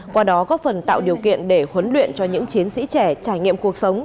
qua đó góp phần tạo điều kiện để huấn luyện cho những chiến sĩ trẻ trải nghiệm cuộc sống